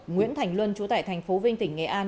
nguyễn thành luân trú tại thành phố vinh tỉnh nghệ an